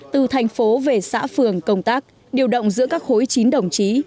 từ thành phố về xã phường công tác điều động giữa các khối chín đồng chí